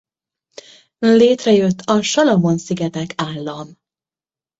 Létrejött a Salamon-szigetek állam.